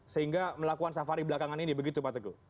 sehingga melakukan safari belakangan ini begitu pak teguh